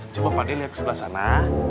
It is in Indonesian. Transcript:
cuma palde liat disebelah sana